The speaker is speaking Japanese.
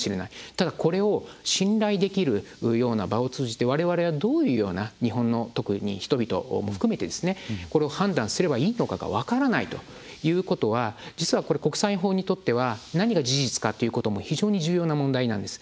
ただ、これを信頼できるような場を通じて、我々はどのような日本の人々を含めてこれを判断すればいいのかが分からないということは実は、国際法にとっては何が事実かということも非常に重要な問題なんです。